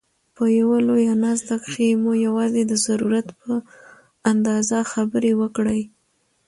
په یوه لویه ناست کښي مو یوازي د ضرورت په اندازه خبري وکړئ!